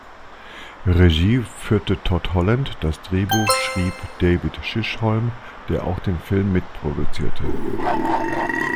Regie führte Todd Holland; das Drehbuch schrieb David Chisholm, der auch den Film mitproduzierte.